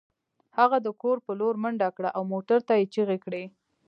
هغه د کور په لور منډه کړه او مور ته یې چیغې کړې